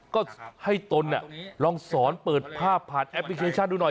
ก็ให้ตนลองสอนเปิดภาพผ่านแอปพลิเคชันดูหน่อย